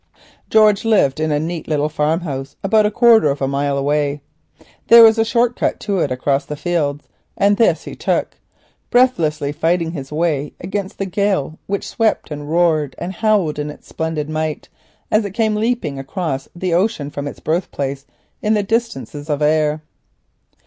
George lived in a neat little farmhouse about a quarter of a mile away. There was a short cut to it across the fields, and this he took, breathlessly fighting his way against the gale, which roared and howled in its splendid might as it swept across the ocean from its birthplace in the distances of air.